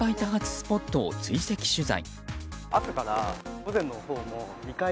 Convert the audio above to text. スポットを追跡取材。